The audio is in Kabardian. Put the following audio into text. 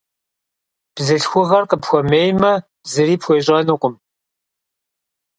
Бзылъхугъэр къыпхуэмеймэ, зыри пхуещӏэнукъым.